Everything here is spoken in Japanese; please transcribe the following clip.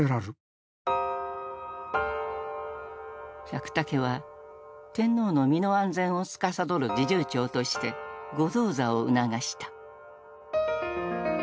百武は天皇の身の安全をつかさどる侍従長として「御動座」を促した。